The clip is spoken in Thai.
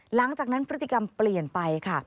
หลังจากนั้นพฤติกรรมเปลี่ยนไปค่ะ